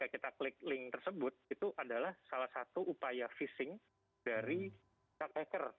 karena kadang kadang ketika kita klik link tersebut itu adalah salah satu upaya phishing dari taktiker